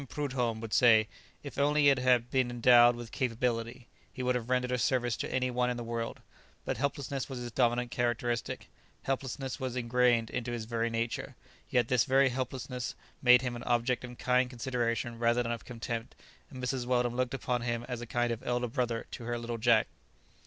Prudhomme would say, "if only he had been endowed with capability," he would have rendered a service to any one in the world; but helplessness was his dominant characteristic; helplessness was ingrained into his very nature; yet this very helplessness made him an object of kind consideration rather than of contempt, and Mrs. Weldon looked upon him as a kind of elder brother to her little Jack.